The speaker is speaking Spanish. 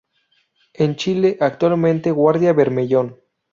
En Chile actualmente Guardia Bermellón.